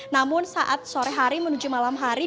namun saat sore hari menuju malam hari